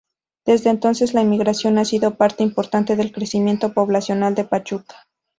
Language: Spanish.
Desde entonces, la emigración ha sido parte importante del crecimiento poblacional de Pachuca.